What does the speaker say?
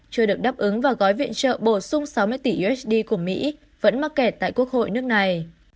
chưa được đáp ứng và gói viện trợ bổ sung sáu mươi tỷ usd của mỹ vẫn mắc kẹt tại quốc hội nước này